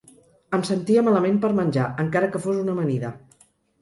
Em sentia malament per menjar, encara que fos una amanida.